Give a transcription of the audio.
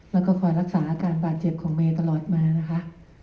และการรักษาอาการบาดเจ็บของเมตลอดมานะคะ